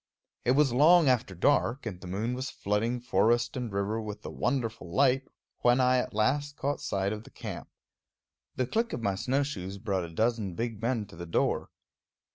It was long after dark, and the moon was flooding forest and river with a wonderful light, when I at last caught sight of the camp. The click of my snowshoes brought a dozen big men to the door.